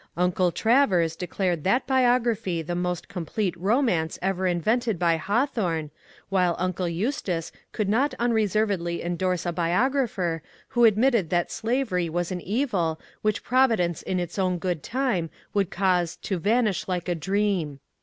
Uncle Travers declared that biography the most complete romance ever invented by Hawthorne, while uncle Eustace HAWTHORNE'S INFLUENCE 127 oonld not unreservedly endorse a biographer who admitted that slavery was an evil which Providence in its own good time wonld caase ^* to vanish like a dream."